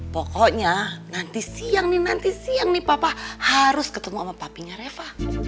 pokoknya nanti siang nih nanti siang nih papa harus ketemu sama papinya reva